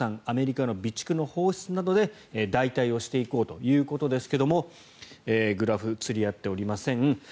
アメリカの備蓄の放出などで代替していこうということですがグラフが釣り合っておりません。